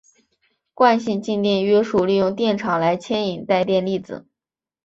惯性静电约束利用电场来牵引带电粒子。